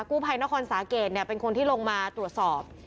กู้ภัยนครสาเกตเป็นคนที่ลงมาตรวจสอบ